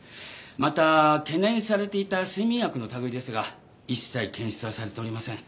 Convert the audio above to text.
また懸念されていた睡眠薬の類いですが一切検出はされておりません。